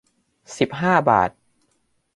สิบห้าบาท